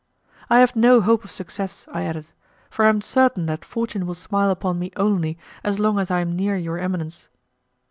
"I have no hope of success," I added, "for I am certain that Fortune will smile upon me only as long as I am near your eminence."